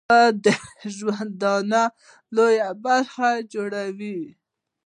اوبه د ژوند لویه برخه جوړوي